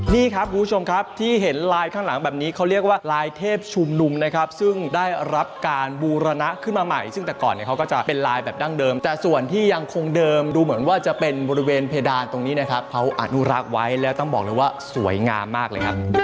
นี่ครับคุณผู้ชมครับที่เห็นลายข้างหลังแบบนี้เขาเรียกว่าลายเทพชุมนุมนะครับซึ่งได้รับการบูรณะขึ้นมาใหม่ซึ่งแต่ก่อนเนี่ยเขาก็จะเป็นลายแบบดั้งเดิมแต่ส่วนที่ยังคงเดิมดูเหมือนว่าจะเป็นบริเวณเพดานตรงนี้นะครับเขาอนุรักษ์ไว้แล้วต้องบอกเลยว่าสวยงามมากเลยครับ